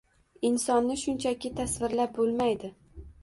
Insonni shunchaki tasvirlab bo’lmaydi